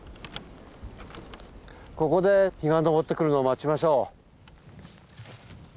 ここで日が昇ってくるのを待ちましょう。